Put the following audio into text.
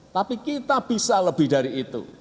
tapi kita bisa lebih dari itu